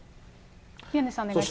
宮根さんお願いします。